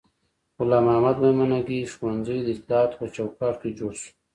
غلام محمد میمنګي ښوونځی د اطلاعاتو په چوکاټ کې جوړ شو.